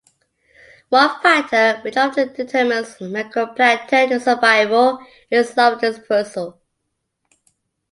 One factor which often determines meroplankton survival is larval dispersal.